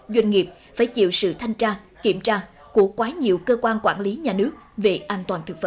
doanh nghiệp phải chịu sự thanh tra kiểm tra của quá nhiều cơ quan quản lý nhà nước về an toàn thực phẩm